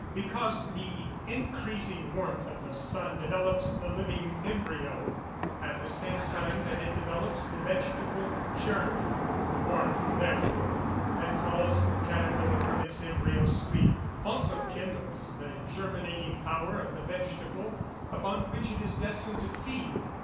_ Because the increasing warmth of the sun developes the living embryo, at the same time that it developes the vegetable germ. The warmth, therefore, that calls the caterpillar from its embryo sleep, also kindles the germinating power of the vegetable upon which it is destined to feed.